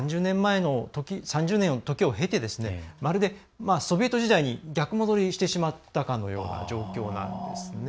３０年のときを経てまるでソビエト時代に逆戻りしてしまったかのような状況なんですね。